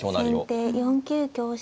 先手４九香車。